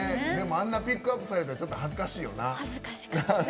あんなピックアップされたら恥ずかしかった。